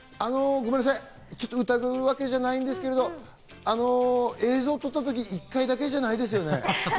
ごめんなさい、疑うわけじゃないんですけど、映像を撮った時、１回だけじゃないですよね？